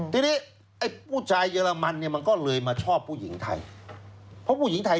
ทีนี้ผู้ชายเยอรมันนี่มันเลยมาชอบผู้หญิงไทย